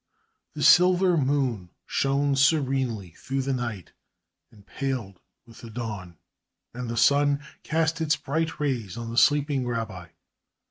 The silver moon shone serenely through the night and paled with the dawn, and the sun cast its bright rays on the sleeping rabbi.